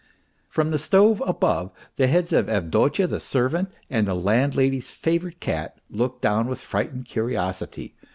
From the stove above, the heads of Avdotya, the servant, and the landlady's favourite cat looked down with frightened curiosity.